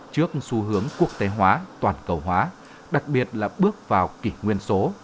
trước xu hướng quốc tế hóa toàn cầu hóa đặc biệt là bước vào kỷ nguyên số